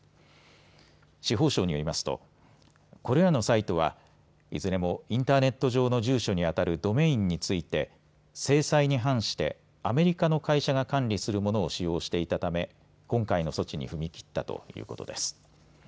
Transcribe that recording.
司法省によりますとこれらのサイトはいずれもインターネット上の住所にあたるドメインについて制裁に反してアメリカの会社が管理するものを使用していたため今回の措置に踏み切ったということです。